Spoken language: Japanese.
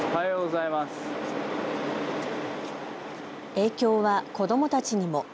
影響は子どもたちにも。